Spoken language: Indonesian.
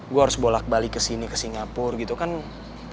gue harus bolak balik ke sini ke singapura gitu kan